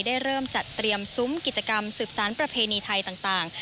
ได้เริ่มจัดเตรียมซุ้มกิจกรรมสืบสารประเพณีไทยต่าง